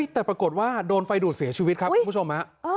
แต่ปรากฏว่าโดนไฟดูดเสียชีวิตครับคุณผู้ชมฮะ